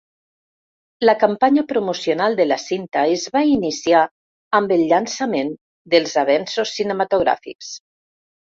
La campanya promocional de la cinta es va iniciar amb el llançament dels avenços cinematogràfics.